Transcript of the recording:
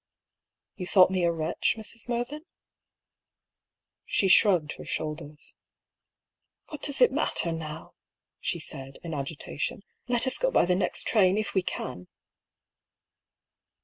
" You thought me a wretch, Mrs. Mervyn ?" She shrugged her shoulders. " What does it matter now ?" she said, in agitation. " Let us go by the next train, if we can."